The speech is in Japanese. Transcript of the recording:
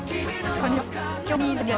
こんにちは。